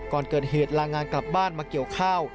ก่อนเกิดเหตุลางานกลับบ้านมาเกี่ยวข้าว